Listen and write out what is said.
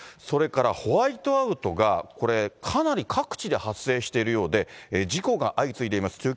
それからホワイトアウトが、これ、かなり各地で発生しているようで、事故が相次いでいます。